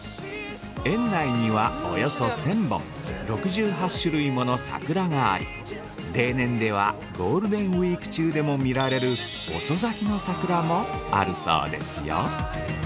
◆苑内にはおよそ１０００本６８種類もの桜があり、例年では、ゴールデンウイーク中でも見られる遅咲きの桜もあるそうですよ。